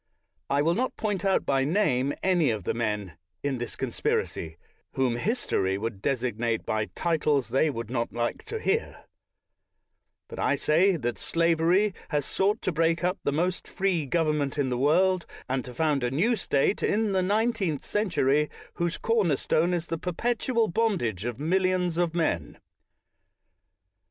I will not point out by name any of the men, in this conspiracy, whom history will designate by titles they would not like to hear; but Lt y that slavery has sought to break up the most free government in the world, and to found a new State, in the nineteenth century, whose corner stone is the per petual bondage of millions of men.